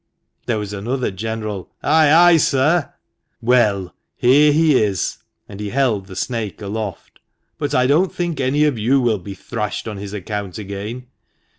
There was another general " Ay, ay, sir !" "Well, here he is" (and he held the snake aloft); "but I don't think any of you will be thrashed on his account again.